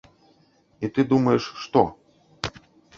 І ты думаеш што?